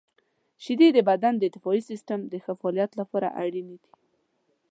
• شیدې د بدن د دفاعي سیستم د ښه فعالیت لپاره اړینې دي.